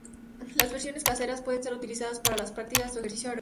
Las versiones caseras pueden ser utilizadas para la práctica o ejercicio aeróbico.